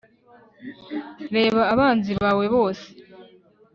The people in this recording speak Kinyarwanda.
reba abanzi bawe bose